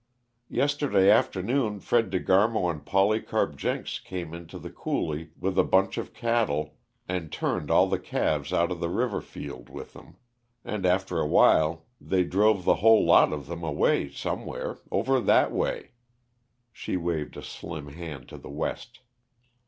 Yesterday afternoon Fred De Garmo and Polycarp Jenks came into the coulee with a bunch of cattle, and turned all the calves out of the river field with them; and, after a little, they drove the whole lot of them away somewhere over that way." She waved a slim hand to the west.